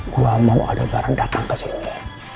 gue mau ada barang datang kesini